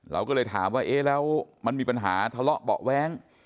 เราก็เลยถามว่าเอ๊ะแล้วมันมีปัญหาทะเลาะเบาะแว้ง